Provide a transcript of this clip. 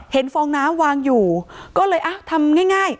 ฟองน้ำวางอยู่ก็เลยอ่ะทำง่าย